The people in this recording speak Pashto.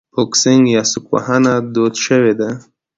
بوکسینګ یا سوک وهنه دود شوې ده.